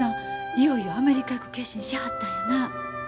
いよいよアメリカへ行く決心しはったんやな。